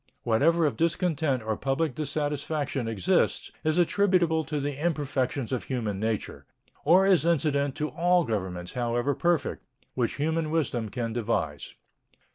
Whatever of discontent or public dissatisfaction exists is attributable to the imperfections of human nature or is incident to all governments, however perfect, which human wisdom can devise.